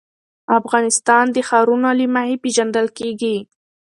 افغانستان د ښارونه له مخې پېژندل کېږي.